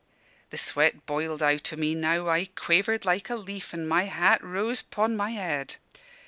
"The sweat boiled out o' me now. I quavered like a leaf, and my hat rose 'pon my head.